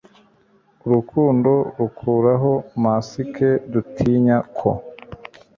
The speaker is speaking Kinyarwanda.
Urukundo rukuraho masike dutinya ko